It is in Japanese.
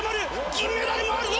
銀メダルもあるぞ！